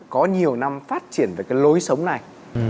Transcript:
có nhiều năm phát triển về cái lối sống này